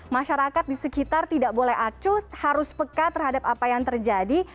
masyarakat di sekitar tidak boleh acut harus peka terhadap apa yang terjadi